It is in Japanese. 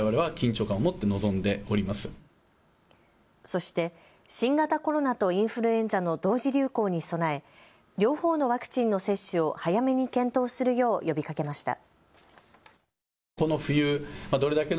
そして新型コロナとインフルエンザの同時流行に備え両方のワクチンの接種を早めに検討するよう呼びかけました。